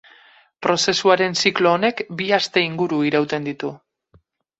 Prozesuaren ziklo honek bi aste inguru irauten ditu.